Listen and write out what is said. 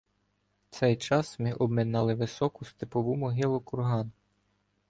В цей час ми обминали високу степову могилу-курган.